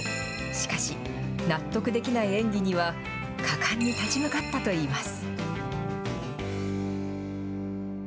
しかし、納得できない演技には、果敢に立ち向かったといいます。